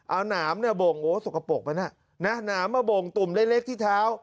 เอาหนามเนี่ยโบ่งโอ้สกปรกมันน่ะนะหนามมาโบ่งตุ่มเล็กที่เท้า